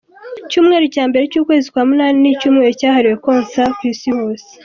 Icyumweru cya mbere cy’ukwezi kwa munani ni icyumweru cyahariwe konsa ku isi hose.